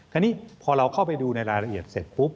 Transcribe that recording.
คราวนี้พอเราเข้าไปดูในรายละเอียดเสร็จปุ๊บ